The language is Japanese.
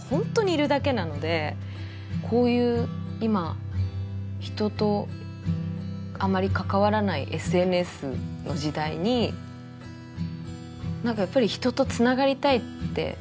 こういう今人とあまり関わらないＳＮＳの時代に何かやっぱり人とつながりたいって。